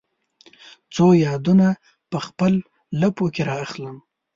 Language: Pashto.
څو یادونه په خپل لپو کې را اخلم